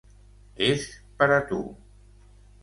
És per a tu.